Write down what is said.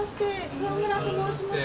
桑村と申します。